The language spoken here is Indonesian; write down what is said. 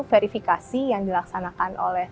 verifikasi yang dilaksanakan oleh